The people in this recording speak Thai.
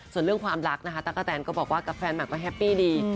ส่วนเรื่องความรักนะคะตะกะแตนก็บอกว่ากับแฟนใหม่ก็แฮปปี้ดี